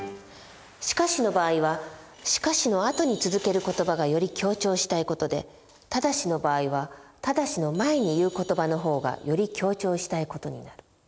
「しかし」の場合は「しかし」の後に続けることばがより強調したい事で「ただし」の場合は「ただし」の前に言うことばの方がより強調したい事になる。